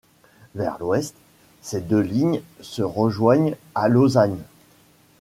Vers l'ouest, ces deux lignes se rejoignent à Lausanne.